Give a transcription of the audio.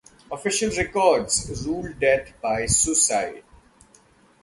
Official records ruled death by suicide.